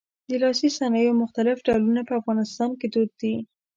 د لاسي صنایعو مختلف ډولونه په افغانستان کې دود دي.